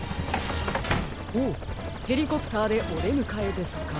ほうヘリコプターでおでむかえですか？